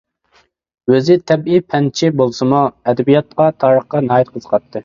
ئۆزى تەبىئىي پەنچى بولسىمۇ، ئەدەبىياتقا، تارىخقا ناھايىتى قىزىقاتتى.